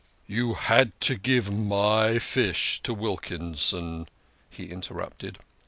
" You had to give my fish to Wilkinson !" he interrupted.